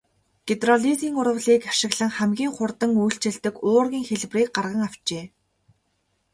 Гидролизын урвалыг ашиглан хамгийн хурдан үйлчилдэг уургийн хэлбэрийг гарган авчээ.